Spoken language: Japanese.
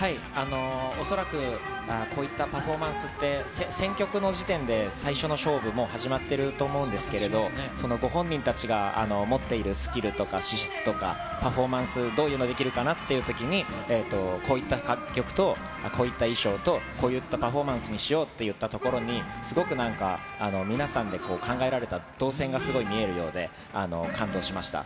恐らく、こういったパフォーマンスって、選曲の時点で最初の勝負、もう始まってると思うんですけれど、ご本人たちが持っているスキルとか資質とか、パフォーマンス、どういうのできるかなっていうときに、こういった楽曲と、こういった衣装と、こういったパフォーマンスにしようっていったところに、すごくなんか、皆さんで考えられた、動線がすごい見えるようで、感動しました。